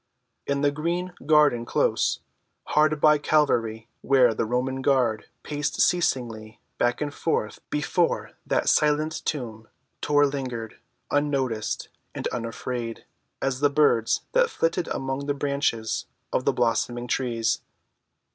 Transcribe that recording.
In the green garden‐close, hard by Calvary, where the Roman guard paced ceaselessly back and forth before that silent tomb, Tor lingered, unnoticed and unafraid as the birds that flitted among the branches of the blossoming trees.